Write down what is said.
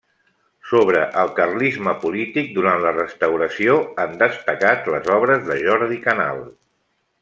Sobre el carlisme polític durant la Restauració han destacat les obres de Jordi Canal.